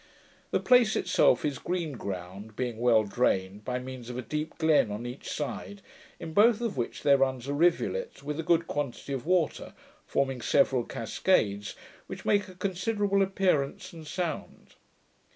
The place itself is green ground, being well drained, by means of a deep glen on each side, in both of which there runs a rivulet with a good quantity of water, forming several cascades, which make a considerable appearance and sound.